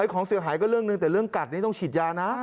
ของเสียหายก็เรื่องหนึ่งแต่เรื่องกัดนี้ต้องฉีดยานะ